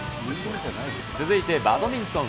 続いてバドミントン。